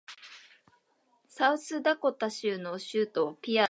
サウスダコタ州の州都はピアである